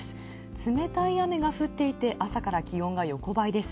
冷たい雨が降っていて、朝から気温が横ばいです。